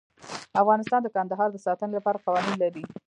افغانستان د کندهار د ساتنې لپاره قوانین لري.